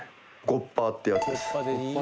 ゴッパーってやつです。